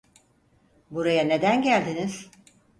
Buraya neden geldiniz?